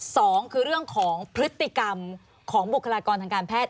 สองคือเรื่องของพฤติกรรมของบุคลากรทางการแพทย์